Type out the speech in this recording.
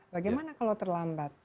bagaimana kalau terlambat